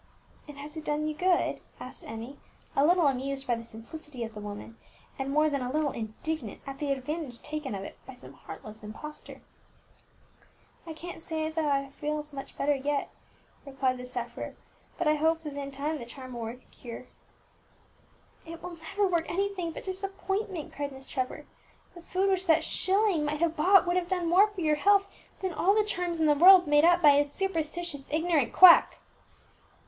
"And has it done you good?" asked Emmie, a little amused at the simplicity of the woman, and more than a little indignant at the advantage taken of it by some heartless impostor. "I can't say as how I feels much better yet," replied the sufferer, "but I hopes as in time the charm will work a cure." "It will never work anything but disappointment!" cried Miss Trevor; "the food which that shilling might have bought would have done more for your health than all the charms in the world made up by a superstitious, ignorant quack!"